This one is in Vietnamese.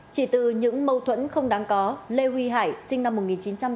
chỉ từ những mâu thuẫn không đáng có lê huy hải sinh năm một nghìn chín trăm tám mươi